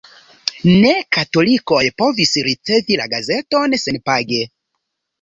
Ne-katolikoj povis ricevi la gazeton senpage.